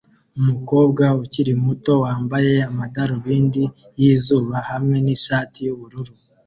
Umukobwa ukiri muto wambaye amadarubindi yizuba hamwe nishati yubururu